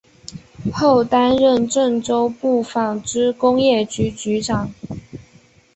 后担任郑州市纺织工业局局长。